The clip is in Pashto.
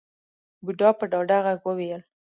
بوډا په ډاډه غږ وويل.